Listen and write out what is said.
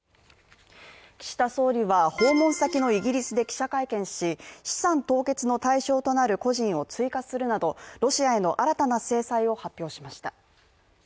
岸田総理は訪問先のイギリスで記者会見し、資産凍結の対象となる個人を追加するなど、ロシアへの新たな制裁を発表しました。